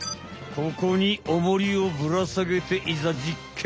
ここにおもりをぶらさげていざ実験！